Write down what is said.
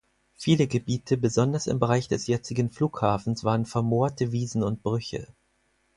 Viele Gebiete besonders im Bereich des jetzigen Flughafens waren vermoorte Wiesen und Brüche.